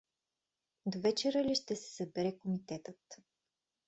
— Довечера ли ще се събере комитетът?